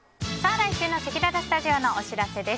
来週のせきららスタジオのお知らせです。